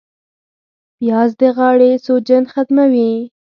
پیاز د غاړې سوجن ختموي